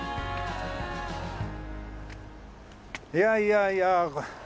いやいやいや。